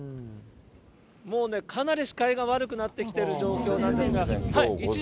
もうね、かなり視界が悪くなってきている状況なんですが。